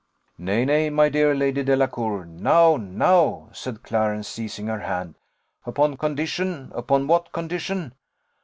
"Nay, nay, my dear Lady Delacour, now, now," said Clarence, seizing her hand. "Upon condition! upon what condition?"